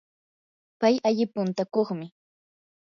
pay alli puntakuqmi.